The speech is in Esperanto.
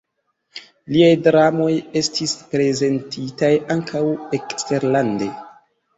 Liaj dramoj estis prezentitaj ankaŭ eksterlande.